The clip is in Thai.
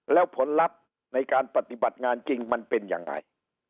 แล้วผลลัพธ์ในการปฏิบัติงานจริงมันเป็นยังไง